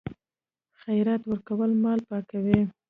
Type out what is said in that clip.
خیرات ورکول مال پاکوي.